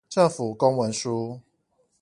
政府公文書